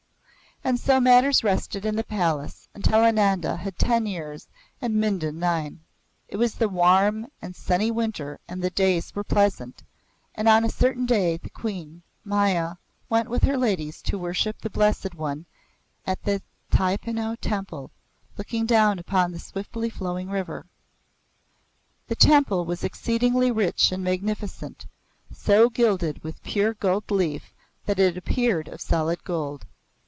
And so matters rested in the palace until Ananda had ten years and Mindon nine. It was the warm and sunny winter and the days were pleasant, and on a certain day the Queen, Maya, went with her ladies to worship the Blessed One at the Thapinyu Temple, looking down upon the swiftly flowing river. The temple was exceedingly rich and magnificent, so gilded with pure gold leaf that it appeared of solid gold.